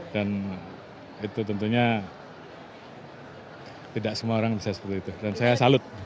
dan itu tentunya tidak semua orang bisa seperti itu dan saya salut